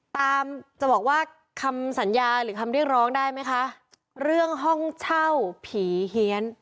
จะบอกว่าคำสัญญาหรือคำเรียกร้องได้ไหมคะเรื่องห้องเช่าผีเฮียน